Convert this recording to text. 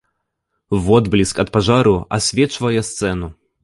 Водбліск ад пажару асвечвае сцэну.